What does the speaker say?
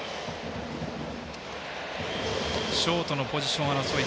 ショートのポジション争い。